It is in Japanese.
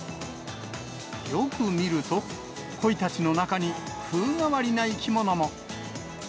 よく見ると、コイたちの中に風変わりな生き物も。